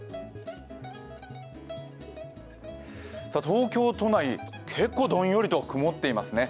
東京都内、結構どんよりと曇っていますね。